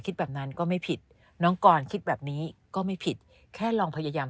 แบบนั้นก็ไม่ผิดน้องกรคิดแบบนี้ก็ไม่ผิดแค่ลองพยายาม